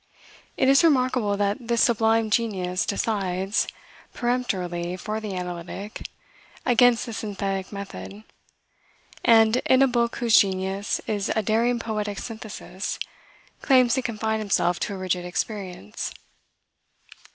It is remarkable that this sublime genius decides, peremptorily for the analytic, against the synthetic method; and, in a book whose genius is a daring poetic synthesis, claims to confine himself to a rigid experience.